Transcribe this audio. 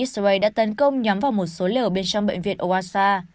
israel đã tấn công nhắm vào một số lều bên trong bệnh viện oasqar